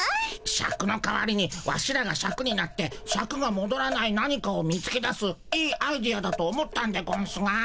シャクの代わりにワシらがシャクになってシャクがもどらない何かを見つけ出すいいアイデアだと思ったんでゴンスが。